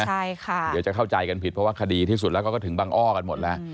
ใช่ค่ะเดี๋ยวจะเข้าใจกันผิดเพราะว่าคดีที่สุดแล้วก็ถึงบังอ้อกันหมดแล้ว